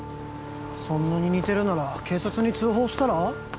そんなに似てるなら警察に通報したら？